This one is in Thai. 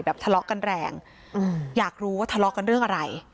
ทะเลาะกันแรงอยากรู้ว่าทะเลาะกันเรื่องอะไร